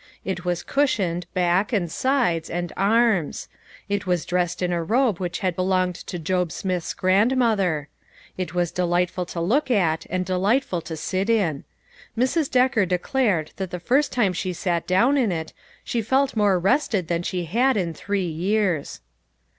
It was cushioned, back, and sides, and arms ; it was dressed in a robe which had belonged to Job Smith's grandmother. It was delightful to look at, and delightful to sit in. Mrs.. Decker declared that the first time she sat down in it, she felt more rested than she had in three years.